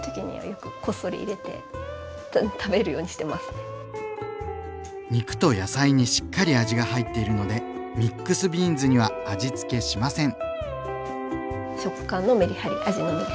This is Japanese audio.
なかなか肉と野菜にしっかり味が入っているのでミックスビーンズには味つけしません。